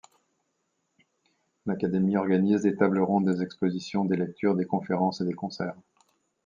L'Académie organise des tables rondes, des expositions, des lectures, des conférences et des concerts.